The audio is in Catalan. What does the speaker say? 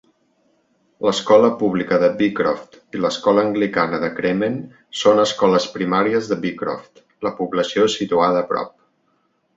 L'escola pública de Beecroft i l'escola anglicana de Cremen són escoles primàries de Beecroft, la població situada a prop.